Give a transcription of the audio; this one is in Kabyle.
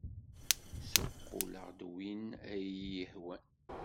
Ssuqquleɣ-d win ay iyi-yehwan!